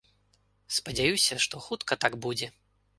Спадзяюся, што хутка так будзе.